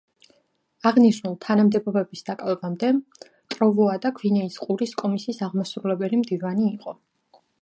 აღნიშნულ თანამდებობების დაკავებამდე, ტროვოადა გვინეის ყურის კომისიის აღმასრულებელი მდივანი იყო.